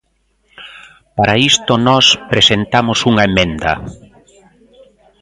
Para isto nós presentamos unha emenda.